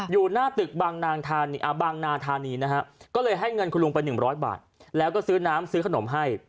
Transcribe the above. อยู่หน้าตึกบางนาธานีนะฮะก็เลยให้เงินคุณลุงไป๑๐๐บาทแล้วก็ซื้อน้ำซื้อขนมให้